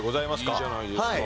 いいじゃないですか。